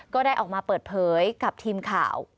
ก็ได้ออกมาเปิดเผยกับทีมข่าว